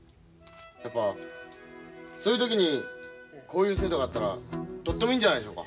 やっぱそういう時にこういう制度があったらとってもいいんじゃないでしょうか。